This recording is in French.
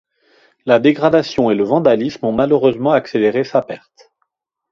La dégradation et le vandalisme ont malheureusement accéléré sa perte.